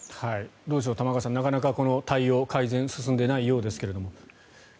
どうでしょう玉川さん、なかなかこの対応改善が進んでいないようですが。